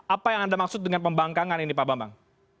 apa yang anda maksud dengan pembangkangan ini pak bambang